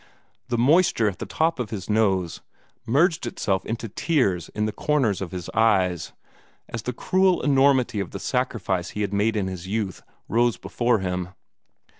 The moisture at the top of his nose merged itself into tears in the corners of his eyes, as the cruel enormity of the sacrifice he had made in his youth rose before him.